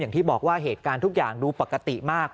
อย่างที่บอกว่าเหตุการณ์ทุกอย่างดูปกติมาก